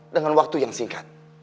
dengan waktu yang singkat